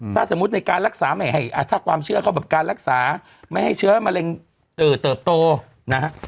ถ้าสมมุติในการรักษาไม่ให้ถ้าความเชื่อเขาแบบการรักษาไม่ให้เชื้อมะเร็งเติบโตนะฮะ